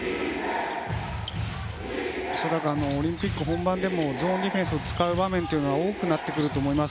オリンピック本番でもゾーンディフェンスを使う場面は多くなってくると思います。